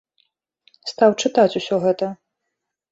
Стаў чытаць усё гэта.